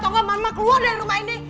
atau gak mama keluar dari rumah ini